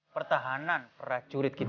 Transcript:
pertahanan rakyat curit kita